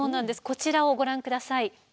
こちらをご覧下さい。